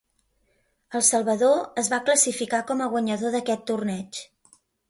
El Salvador es va classificar com a guanyador d'aquest torneig.